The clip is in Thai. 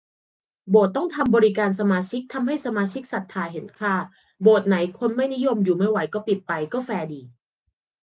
โบสถ์ต้องทำบริการสมาชิกทำให้สมาชิกศรัทธาเห็นค่า โบสถ์ไหนคนไม่นิยมอยู่ไม่ไหวก็ปิดไป ก็แฟร์ดี